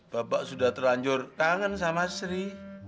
bapak sudah terlanjur kangen sama sri